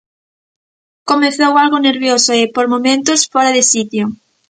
Comezou algo nervioso e, por momentos, fóra de sitio.